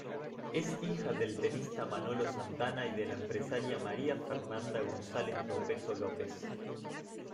Es hija del tenista Manolo Santana y de la empresaria María Fernanda González-Dopeso López.